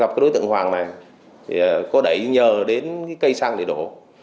gặp đối tượng hoàng này có đẩy nhờ đến cây xăng để đổ